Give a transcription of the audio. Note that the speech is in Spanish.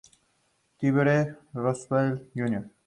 Theodore Roosevelt, Jr.